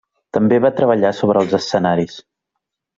També va treballar sobre els escenaris.